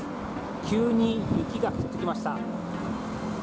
急に雪が降ってきました。